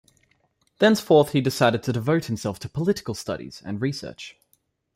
Thenceforth he decided to devote himself to political studies and research.